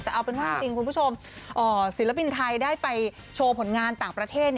แต่เอาเป็นว่าจริงคุณผู้ชมศิลปินไทยได้ไปโชว์ผลงานต่างประเทศ